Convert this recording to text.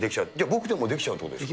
僕でも出来ちゃうということですか？